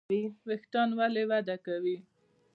ویښتان ولې وده کوي؟